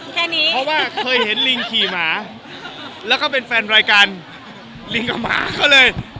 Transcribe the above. เพราะว่าเคยเห็นลิงขี่หมาแล้วเขาเป็นแฟนรายการลิงกับหมาเขาเลย